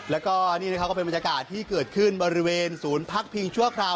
และนี่เป็นบรรยากาศที่เกิดขึ้นบริเวณศูนย์พักพิงชั่วคราว